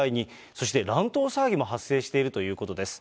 そして乱闘騒ぎも発生しているということです。